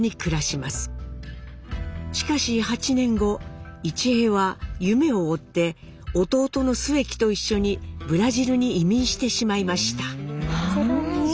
しかし８年後市平は夢を追って弟の末喜と一緒にブラジルに移民してしまいました。